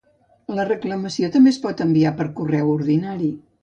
La reclamació també es pot enviar per correu ordinari.